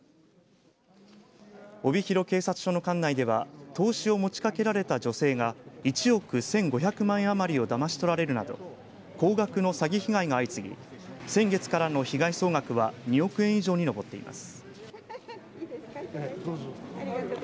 帯広警察署の管内では投資を持ちかけられた女性が１億１５００万円余りをだまし取られるなど高額の詐欺被害が相次ぎ先月からの被害総額は２億円以上に上っています。